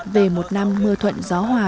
về một năm mưa thuận gió hòa